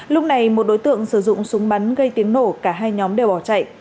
lúc này một đối tượng sử dụng súng bắn gây tiếng nổ cả hai nhóm đều bỏ chạy